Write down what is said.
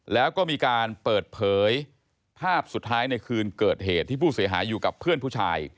แล้วก็มีการเปิดเผยภาพสุดท้ายในคืนเกิดเหตุที่ผู้เสียหายอยู่กับเพื่อนผู้ชาย